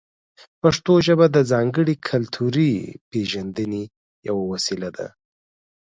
پښتو ژبه د ځانګړې کلتوري پېژندنې یوه وسیله ده.